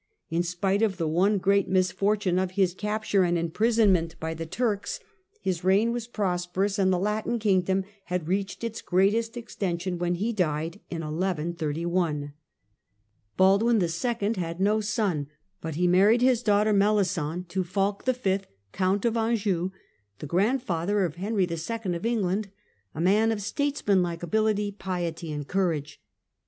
In 1118 1131 spite of the one great misfortune of his capture and imprisonment by the Turks, his reign was prosperous, and the Latin kingdom had reached its greatest extension when he died in 1131. Baldwin 11. had no son, but he Fuik V. of married his daughter Melisend to Fulk V., Count of mm43 Anjou, the grandfather of Henry II. of England, a man of statesmanlike ability, piety and courage.